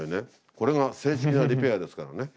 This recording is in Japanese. これが正式なリペアですからね。